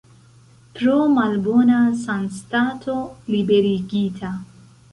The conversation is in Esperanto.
Pro malbona sanstato liberigita.